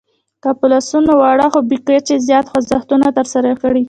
که په لاسونو واړه خو بې کچې زیات خوځښتونه ترسره کړئ